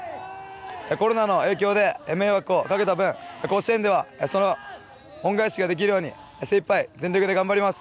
コロナの影響で迷惑をかけた分甲子園ではその恩返しができるように精いっぱい全力で頑張ります。